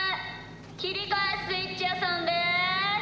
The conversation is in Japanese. きりかえスイッチやさんです。